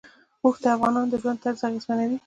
اوښ د افغانانو د ژوند طرز ډېر اغېزمنوي.